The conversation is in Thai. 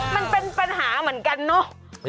มันเป็นปัญหาเหมือนกันเนอะ